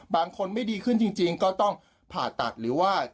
บางคนไม่ดีขึ้นจริงก็ต้องผ่าตัดหรือว่า